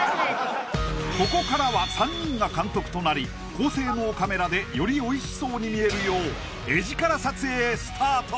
ここからは３人が監督となり高性能カメラでよりおいしそうに見えるようエヂカラ撮影スタート！